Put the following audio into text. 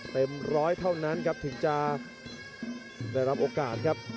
เต็มร้อยเท่านั้นครับถึงจะได้รับโอกาสครับ